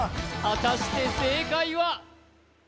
果たして正解は？